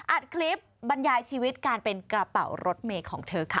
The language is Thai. อัดคลิปบรรยายชีวิตการเป็นกระเป๋ารถเมย์ของเธอค่ะ